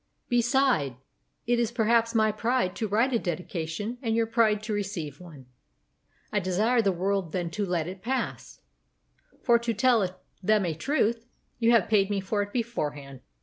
Beside, it is perhaps my pride to write a dedication and your pride to receive one. I desire the world then to let it pass; for, to tell them a truth you have paid me for it before hand.